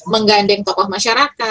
menggandeng tokoh masyarakat